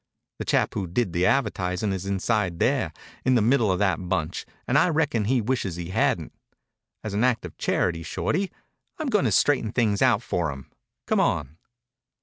The chap who did the advertising is inside there, in the middle of that bunch, and I reckon he wishes he hadn't. As an act of charity, Shorty, I'm going to straighten things out for him. Come on."